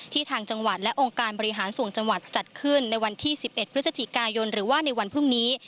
ทางจังหวัดและองค์การบริหารส่วนจังหวัดจัดขึ้นในวันที่๑๑พฤศจิกายนหรือว่าในวันพรุ่งนี้